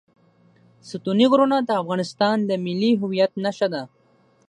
ستوني غرونه د افغانستان د ملي هویت نښه ده.